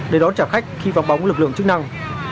để đón trả khách khi vắng bóng lực lượng chức năng